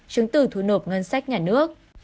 chứng tử thủ nộp ngân sách nhà nước